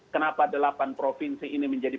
kenapa delapan provinsi ini menjadi